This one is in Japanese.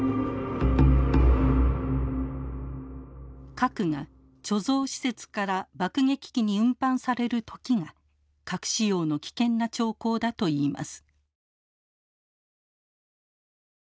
核が貯蔵施設から爆撃機に運搬される時が核使用の危険な兆候だといいます。